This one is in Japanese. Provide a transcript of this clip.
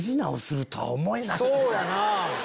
そうやな。